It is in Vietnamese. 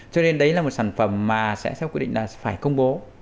cho nên đấy là một sản phẩm mà sẽ theo quy định là phải công bố